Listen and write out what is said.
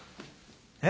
えっ？